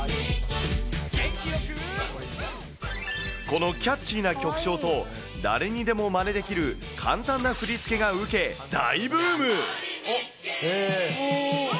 このキャッチーな曲調と、誰にでもまねできる簡単な振り付けがうけ、大ブーム。